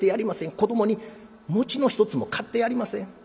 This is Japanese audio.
子どもに餅の一つも買ってやりません？